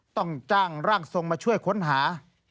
ต้องจ้างร่างทรงมาช่วยค้นหา